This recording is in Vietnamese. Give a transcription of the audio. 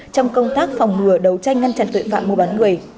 trong công tác phòng ngừa đấu tranh ngăn chặn tội phạm mua bán người